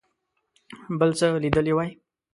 بل څه لیدلي وای.